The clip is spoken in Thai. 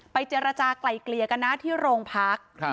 ไปเจรจาไกลเกลียกันนะที่โรงพัก